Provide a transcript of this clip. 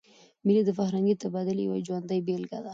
مېلې د فرهنګي تبادلې یوه ژوندۍ بېلګه ده.